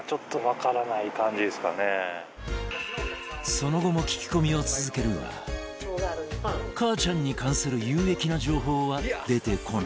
その後も聞き込みを続けるがかあちゃんに関する有益な情報は出てこない